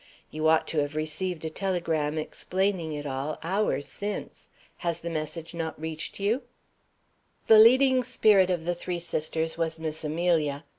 You ought to have received a telegram explaining it all, hours since. Has the message not reached you?" The leading spirit of the three sisters was Miss Amelia.